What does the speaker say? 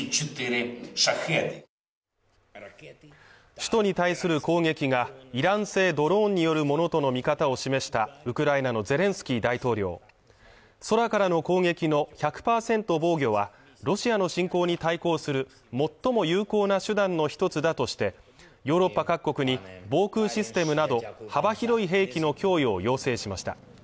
首都に対する攻撃がイラン製ドローンによるものとの見方を示したウクライナのゼレンスキー大統領空からの攻撃の１００％防御はロシアの侵攻に対抗する最も有効な手段の一つだとしてヨーロッパ各国に防空システムなど幅広い兵器の供与を要請しました